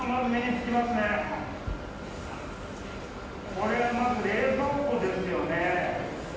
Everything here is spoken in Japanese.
これはまず冷蔵庫ですよね。